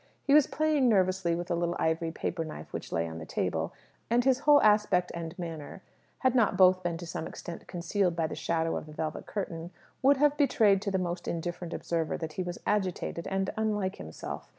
He was playing nervously with a little ivory paper knife which lay on the table, and his whole aspect and manner had not both been to some extent concealed by the shadow of the velvet curtain would have betrayed to the most indifferent observer that he was agitated and unlike himself.